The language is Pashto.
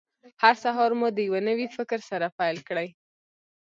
هر سهار مو د یوه نوي فکر سره پیل کړئ.